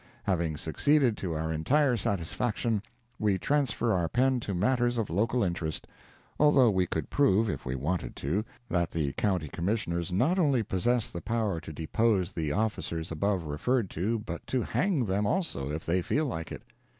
Having succeeded to our entire satisfaction, we transfer our pen to matters of local interest, although we could prove, if we wanted to, that the County Commissioners not only possess the power to depose the officers above referred to but to hang them also, if they feel like it.